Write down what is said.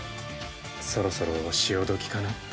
そろそろ潮時かなって。